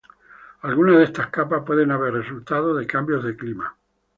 Algunas de estas capas pueden haber resultado de cambios de clima.